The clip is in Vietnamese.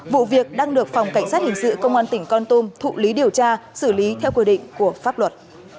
vụ việc đang được phòng cảnh sát hình sự công an tỉnh con tum thụ lý điều tra xử lý theo quy định của pháp luật